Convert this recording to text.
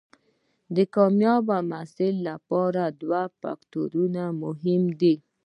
د کامیاب محصل لپاره دوه فکتورونه مهم دي.